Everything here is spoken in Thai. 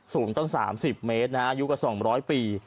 สูงตั้ง๓๐เมตรนะอายุกว่า๒๐๐ปี